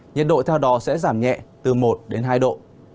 nhiệt độ theo đó sẽ giảm nhẹ từ một đến hai độ